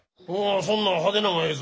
そんなん派手なんがええぞ。